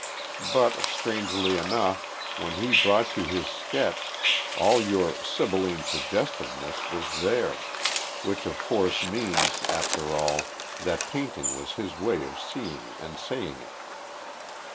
But, strangely enough, when he brought you his sketch, all your "sibylline suggestiveness" was there, which of course means, after all, that painting was his way of seeing and saying it.